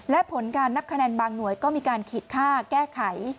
และผลการนับคะแนนบางหน่วยก็มีการขีดค่าแก้ไข